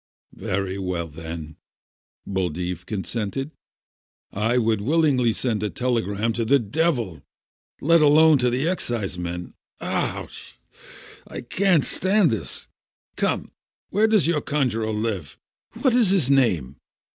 "Very well, then," Buldeeff consented. "I would willingly send a telegram to the devil, let alone to an exciseman. Ouch ! I can't stand this ! Come, where does your conjuror live? What is his name?"